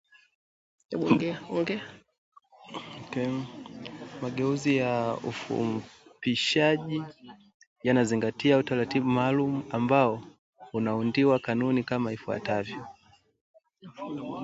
Mageuzi ya ufupishaji yanazingatia utaratibu maalum ambao unaundiwa kanuni kama ifuatavyo